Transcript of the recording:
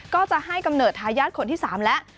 ก็จะให้กำเนิดทายาทคนที่๓แล้ว